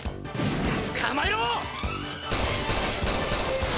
つかまえろ！